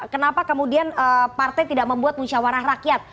kenapa kemudian partai tidak membuat musyawarah rakyat